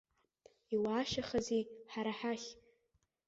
Иуаашьахазеи ҳара ҳахь?